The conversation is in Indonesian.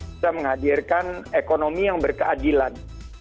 bisa menghadirkan ekonomi yang berkeadilan